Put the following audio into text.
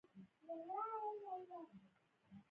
بشري کرامت ته یې په درناوي ملي یووالی رامنځته کړی.